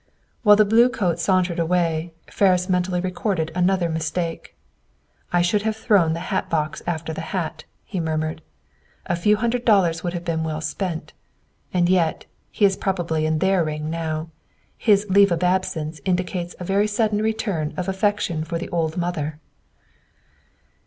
While the bluecoat sauntered away, Ferris mentally recorded another mistake. "I should have thrown the hat box after the hat," he murmured. "A few hundred dollars would have been well spent. And yet he is probably in their ring now. His 'leave of absence' indicates a very sudden return of affection for the 'ould mother.'"